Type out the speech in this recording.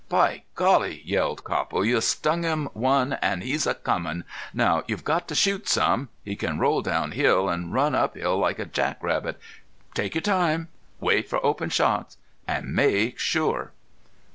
"By Golly!" yelled Copple. "You stung him one an' he's comin'!... Now you've got to shoot some. He can roll down hill an' run up hill like a jack rabbit. Take your time wait for open shots an' make sure!"